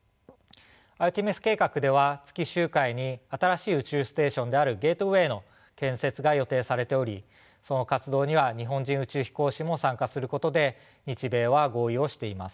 アルテミス計画では月周回に新しい宇宙ステーションであるゲートウェイの建設が予定されておりその活動には日本人宇宙飛行士も参加することで日米は合意をしています。